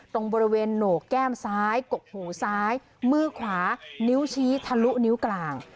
ตรงบริเวณโหนกแก้มซ้ายกกหูซ้ายมือขวานิ้วชี้ทะลุนิ้วกลาง